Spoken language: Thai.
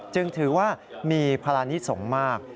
จึงถือว่ามีพลานิสงฆ์มาก